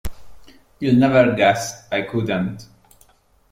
You’ll never guess! I couldn’t.